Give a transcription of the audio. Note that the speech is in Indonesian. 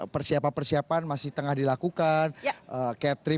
persiapan persiapan masih tengah dilakukan catering